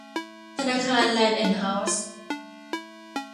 ธนาคารแลนด์แอนด์ เฮ้าส์